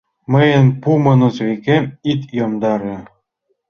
Мыйын пуымо носовикем ит йомдаре.